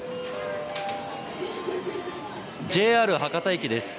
ＪＲ博多駅です。